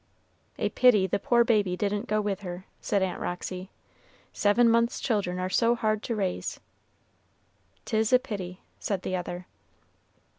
"A pity the poor baby didn't go with her," said Aunt Roxy; "seven months' children are so hard to raise." "'Tis a pity," said the other.